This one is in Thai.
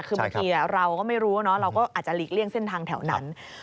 คือบางทีเราก็ไม่รู้เนอะเราก็อาจจะหลีกเลี่ยงเส้นทางแถวนั้น